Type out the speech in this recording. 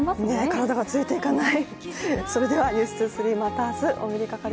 体がついていかない。